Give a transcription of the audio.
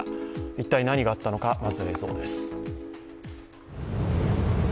一体、何があったのかまず映像です。